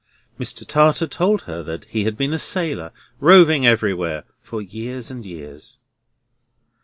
Mr. Tartar told her he had been a sailor, roving everywhere for years and years.